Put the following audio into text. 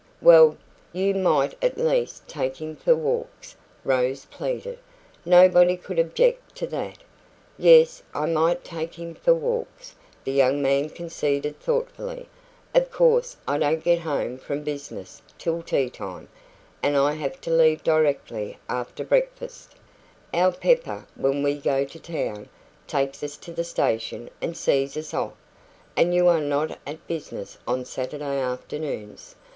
"Well, you might at least take him for walks," Rose pleaded. "Nobody could object to that." "Yes, I might take him for walks," the young man conceded thoughtfully. "Of course, I don't get home from business till tea time, and I have to leave directly after breakfast " "Our Pepper, when we go to town, takes us to the station and sees us off; and you are not at business on Saturday afternoons."